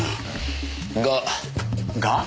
が。が？